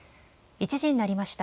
１時になりました。